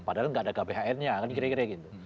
padahal tidak ada gabhn nya kira kira gitu